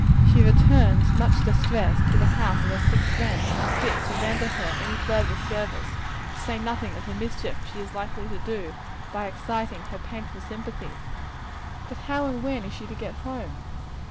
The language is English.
She returns, much distressed, to the house of her sick friend, unfit to render her any further service to say nothing of the mischief she is likely to do by exciting her painful sympathies. But how and when is she to get home?